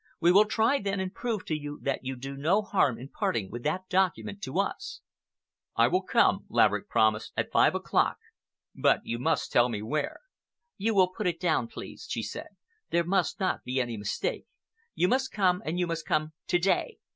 We will try then and prove to you that you do no harm in parting with that document to us." "I will come," Laverick promised, "at five o'clock; but you must tell me where." "You will put it down, please," she said. "There must not be any mistake. You must come, and you must come to day.